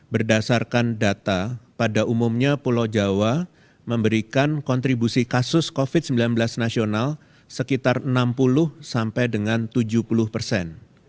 berdasarkan data pada umumnya pulau jawa memberikan kontribusi kasus covid sembilan belas nasional sekitar enam puluh sampai dengan tujuh puluh persen